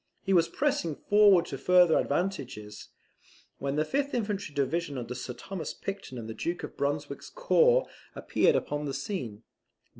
He was pressing forward to further advantages, when the fifth infantry division under Sir Thomas Picton and the Duke of Brunswick's corps appeared upon the scene.